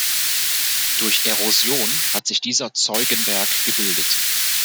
Durch Erosion hat sich dieser Zeugenberg gebildet.